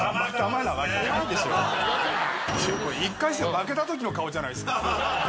１回戦負けたときの顔じゃないですか。